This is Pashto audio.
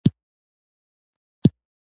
ده ته هم یو واسکټ ور اغوستی و.